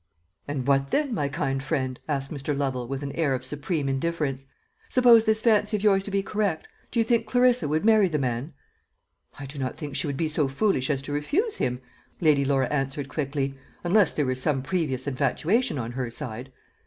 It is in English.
"And what then, my kind friend?" asked Mr. Lovel with an air of supreme indifference. "Suppose this fancy of yours to be correct, do you think Clarissa would marry the man?" "I do not think she would be so foolish as to refuse him," Lady Laura answered quickly; "unless there were some previous infatuation on her side."